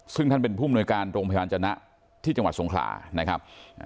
ซึ่งท่านเป็นผู้มนวยการโรงพยาบาลจนะที่จังหวัดสงขลานะครับ